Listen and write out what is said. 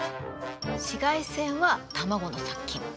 紫外線は卵の殺菌。